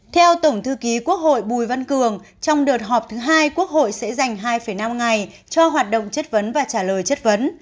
theo tổng thư ký quốc hội bùi văn cường trong đợt họp thứ hai quốc hội sẽ dành hai năm ngày cho hoạt động chất vấn và trả lời chất vấn